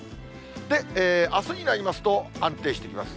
で、あすになりますと、安定してきます。